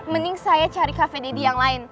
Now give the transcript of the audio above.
mending saya cari kafe deddy yang lain